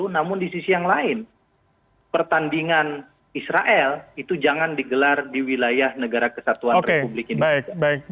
namun di sisi yang lain pertandingan israel itu jangan digelar di wilayah negara kesatuan republik indonesia